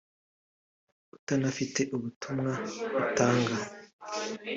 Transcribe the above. utanafite ubutumwa utanga